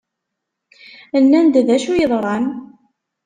Nnan-d d acu yeḍran?